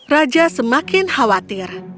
raja semakin khawatir